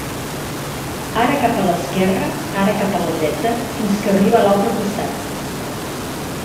Ara cap a l'esquerra, ara cap a la dreta, fins que arriba a l'altre costat.